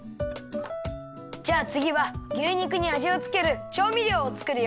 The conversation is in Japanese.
じゃあつぎは牛肉にあじをつけるちょうみりょうをつくるよ。